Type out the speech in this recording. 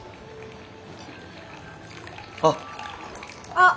あっ。